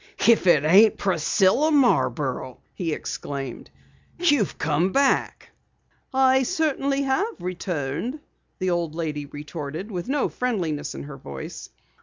"If it ain't Priscilla Marborough!" he exclaimed. "You've come back!" "I certainly have returned," the old lady retorted with no friendliness in her voice.